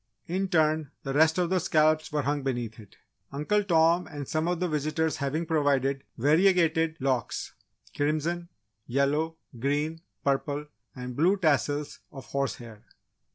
In turn, the rest of the scalps were hung beneath it, Uncle Tom and some of the visitors having provided variegated locks: crimson, yellow, green, purple, and blue tassels of horsehair.